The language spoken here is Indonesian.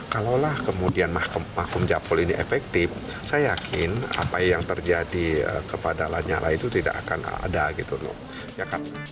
kalau lah kemudian mahkumjapol ini efektif saya yakin apa yang terjadi kepada lanyala itu tidak akan ada